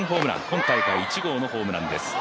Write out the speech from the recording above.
今大会１号のホームランです。